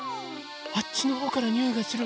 あっちのほうからにおいがする。